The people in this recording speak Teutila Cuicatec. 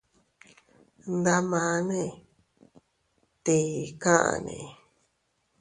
Ndamane ¿tii kaʼane?